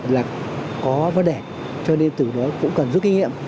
là có vấn đề cho nên từ đó cũng cần rút kinh nghiệm